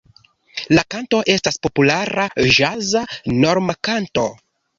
La kanto estas populara ĵaza normkanto.